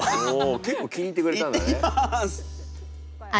結構気に入ってくれたんだね。